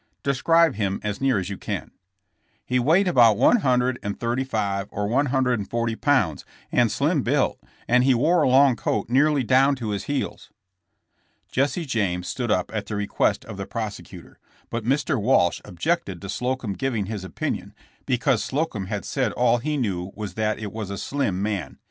Describe him as near as you can. '' "He weighed about one hundred and thirty five or one hundred and forty pounds and slim built, and wore a long coat nearly down to his heels." Jesse James stood up at the request of the pros ecutor, but Mr. Walsh objected to Slocum giving his opinion, because Slocum had said all he knew v^^as that it was a slim man.